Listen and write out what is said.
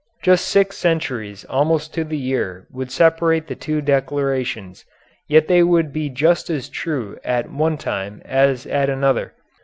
Just six centuries almost to the year would separate the two declarations, yet they would be just as true at one time as at another.